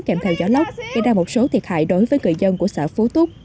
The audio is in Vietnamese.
kèm theo gió lốc gây ra một số thiệt hại đối với người dân của xã phú túc